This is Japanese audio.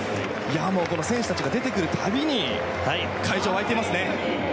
選手たちが出てくる度に会場、沸いていますね。